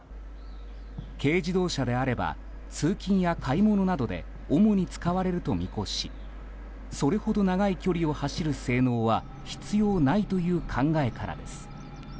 軽自動車であれば通勤や買い物などで主に使われていると見越しそれほど長い距離を走る性能は必要ないという考えからです。